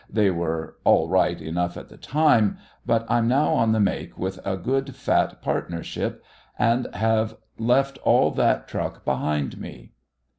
They were all right enough at the time. But I'm now "on the make," with a good fat partnership, and have left all that truck behind me.